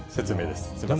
すみません。